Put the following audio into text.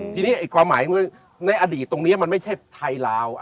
ทีนี้ความหมายในอดีตตรงนี้มันไม่ใช่ไทยลาว